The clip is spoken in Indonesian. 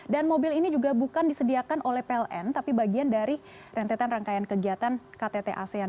dan mobil ini juga bukan disediakan oleh pln tapi bagian dari rentetan rangkaian kegiatan ktt asean